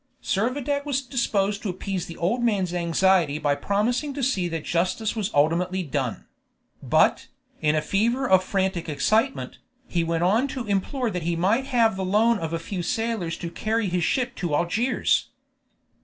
Servadac was disposed to appease the old man's anxiety by promising to see that justice was ultimately done; but, in a fever of frantic excitement, he went on to implore that he might have the loan of a few sailors to carry his ship to Algiers.